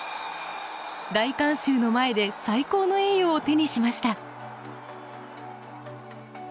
大観衆の前で最高の栄誉を手にしました。